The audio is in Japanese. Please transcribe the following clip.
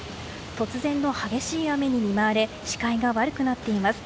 突然の激しい雨に見舞われ視界が悪くなっています。